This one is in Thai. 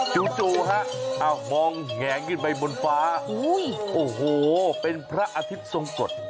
จูครับมองแหงยินไปบนฟ้าโอ้โหเป็นพระอาทิตย์ทรงกฎ